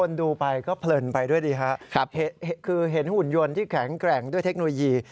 ดูไปก็เพลินไปด้วยดีฮะคือเห็นหุ่นยนต์ที่แข็งแกร่งด้วยเทคโนโลยี